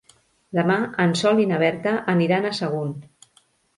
Demà en Sol i na Berta aniran a Sagunt.